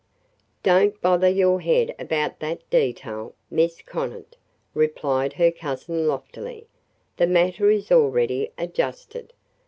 "Don't bother your head about that detail, Miss Conant," replied her cousin loftily. "The matter is already adjusted.